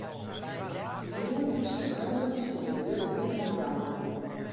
Liuwe is freonlik tsjin de lju yn de omjouwing.